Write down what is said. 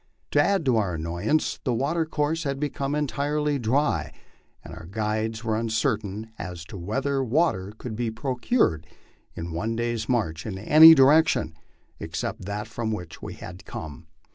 To add to our annoyance, the water course had become entirely dry, and our guides were uncertain as to whether water could be procured in one day's march in any direction except that from which we had come.